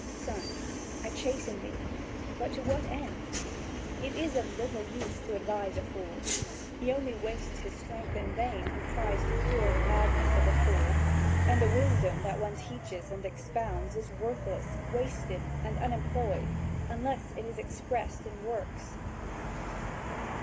Son, I chasten thee; but to what end? It is of little use to advise a fool. He only wastes his strength in vain who tries to cure the madness of a fool, and the wisdom that one teaches and expounds is worthless, wasted and unemployed, unless it is expressed in works."